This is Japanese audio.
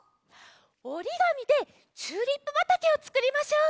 おりがみでチューリップばたけをつくりましょう！